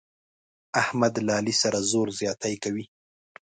احمد له علي سره زور زیاتی کوي.